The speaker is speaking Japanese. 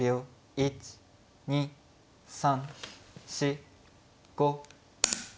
１２３４５６。